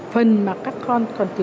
phần mà các con còn thứ